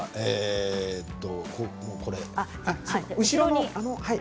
後ろに。